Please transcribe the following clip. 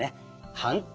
反対。